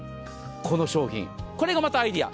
この商品、これがまたアイデア。